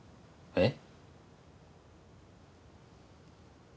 えっ？